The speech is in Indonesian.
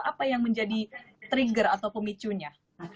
apa yang menjadi trigger atau pemicunya